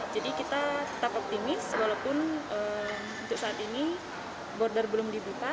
jadi kita tetap optimis walaupun untuk saat ini border belum dibuka